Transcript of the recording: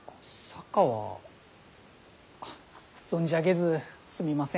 あ存じ上げずすみません。